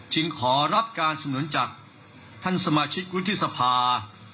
ขอรับการสนุนจากท่านสมาชิกวุฒิสภา